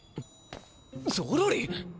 ゾロリ！